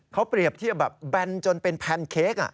เขาเปรียบที่แบนจนเป็นแพนเค้ก